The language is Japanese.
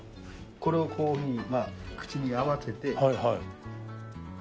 これをこういうふうに口に合わせて。